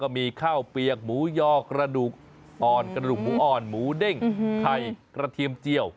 มีข้าวเปียกหมูยอกระดูกอ่อนกระดูกหมูอ่อนหมูเด้งไข่กระเทียมเจียว